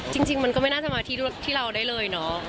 จริงมันก็ไม่น่าจะมาที่เราได้เลยเนาะ